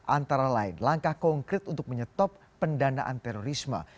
antara lain langkah konkret untuk menyetop pendanaan terorisme